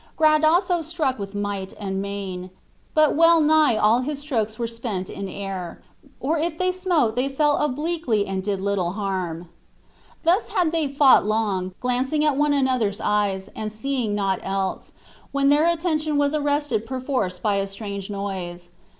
Gradasso struck with might and main, but wellnigh all his strokes were spent in air, or if they smote they fell obliquely and did little harm. Thus had they fought long, glancing at one another's eyes, and seeing naught else, when their attention was arrested perforce by a strange noise.